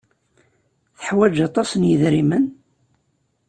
Teḥwaj aṭas n yidrimen?